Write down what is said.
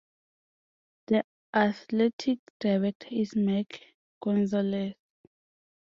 The Athletic Director is Mike Gonzalez.